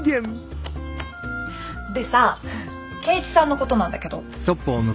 でさ圭一さんのことなんだけど。